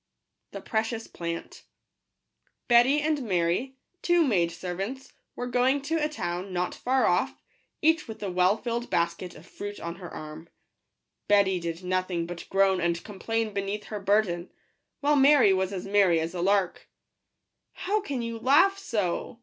fl_Al ' II Si It.. I At Digitized by kaOOQle ®&f 3Preciou0 Plant* ETT Y and Mary, two maid servants, were going to a town not far off, each with a well filled basket of fruit on her arm. Betty did no thing but groan and complain beneath her burden, while Mary was as merry as a lark. " How can you laugh so